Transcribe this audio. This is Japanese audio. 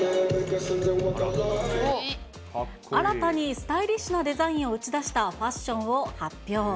新たにスタイリッシュなデザインを打ち出したファッションを発表。